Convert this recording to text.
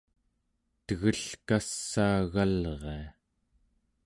tegelkassaagalria